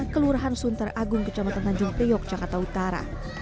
kelurahan sunter agung kecamatan tanjung priok jakarta utara